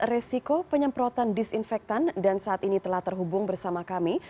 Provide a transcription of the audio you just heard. resiko penyemprotan disinfektan dan saat ini telah terhubung bersama kami